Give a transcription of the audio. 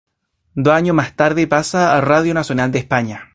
Dos años más tarde pasa a Radio Nacional de España.